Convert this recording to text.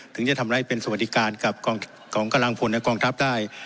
ถึงจะทำร้ายเป็นสวัสดิการกับของกำลังพลในกองทัพได้